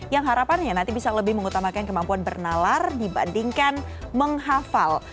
yang harapannya nanti bisa lebih mengutamakan kemampuan bernalar dibandingkan menghafal